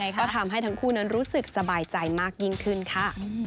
ก็ทำให้ทั้งคู่นั้นรู้สึกสบายใจมากยิ่งขึ้นค่ะ